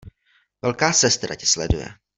Velká Sestra tě sleduje!